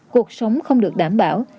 cuộc sống không được đảm bảo